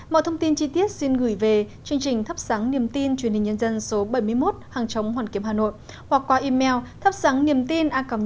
mọi thông tin chi tiết xin gửi về chương trình thắp sáng niềm tin truyền hình nhân dân số bảy mươi một hàng trống hoàn kiếm hà nội hoặc qua email thapsangniemtina org vn